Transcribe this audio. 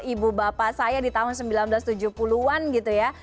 ibu bapak saya di tahun seribu sembilan ratus tujuh puluh an gitu ya